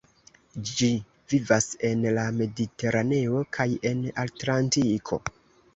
Ĝi vivas en Mediteraneo kaj en Atlantiko.